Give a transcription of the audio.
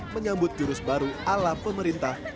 menyambut jurus baru ala pemerintah